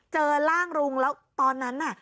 เจอร่างลุงแล้วตอนนั้นน่ะ